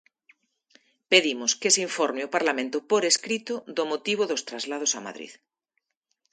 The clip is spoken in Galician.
Pedimos que se informe ao Parlamento por escrito do motivo dos traslados a Madrid.